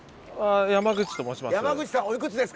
山口と申します。